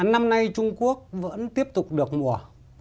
năm nay trung quốc vẫn tiếp tục được mùa